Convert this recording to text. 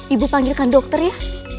ibu panggilkan dokter ya